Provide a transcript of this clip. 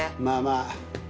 まあまあ。